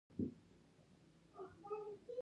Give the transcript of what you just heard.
ها خوا دې خوا يې ترهېدلې منډې وهلې.